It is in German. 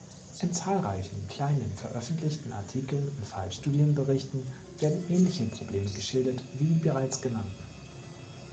In zahlreichen kleinen veröffentlichten Artikeln und Fallstudienberichten werden ähnliche Probleme geschildert wie die bereits genannten.